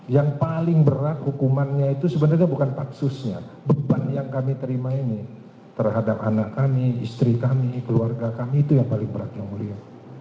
yang paling berat hukumannya itu sebenarnya bukan paksusnya beban yang kami terima ini terhadap anak kami istri kami keluarga kami itu yang paling berat yang mulia